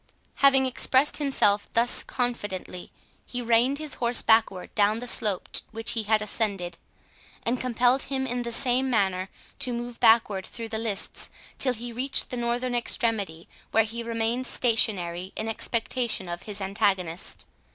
Having expressed himself thus confidently, he reined his horse backward down the slope which he had ascended, and compelled him in the same manner to move backward through the lists, till he reached the northern extremity, where he remained stationary, in expectation of his antagonist.